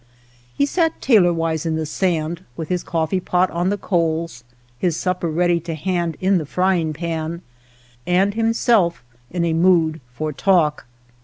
He sat tailorwise in the sand, with his coffee pot on the coals, his supper ready to hand in the frying pan, and himself in a mood for talk.